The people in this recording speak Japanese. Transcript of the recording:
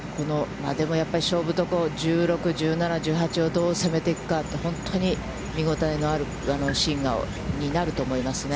でも、勝負どころ、１６、１７、１８を、どう攻めていくかって、本当に見応えのあるシーンになると思いますね。